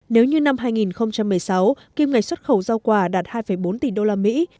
nếu như năm hai nghìn một mươi sáu kim ngạch xuất khẩu rau quả đạt hai bốn tỷ đô la mỹ